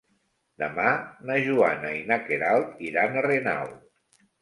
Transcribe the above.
Demà na Joana i na Queralt iran a Renau.